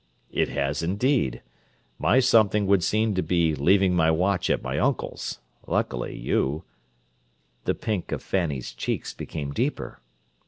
"It has, indeed! My something would seem to be leaving my watch at my uncle's. Luckily, you—" The pink of Fanny's cheeks became deeper.